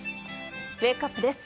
ウェークアップです。